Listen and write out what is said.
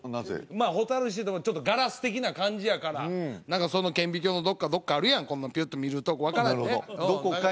まあ蛍石ちょっとガラス的な感じやから何かその顕微鏡のどっかあるやんこんなピュッと見るとこなるほどどこかに？